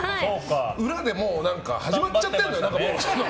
裏でもう始まっちゃってるのよ。